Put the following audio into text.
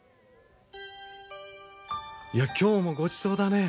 いや今日もごちそうだね。